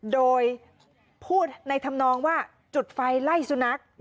โดยพูดในธรรมนองว่าจุดไฟไล่สุนัข